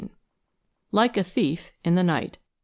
III. LIKE A THIEF IN THE NIGHT.